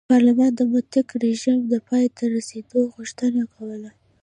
پارلمان د مطلقه رژیم د پای ته رسېدو غوښتنه کوله.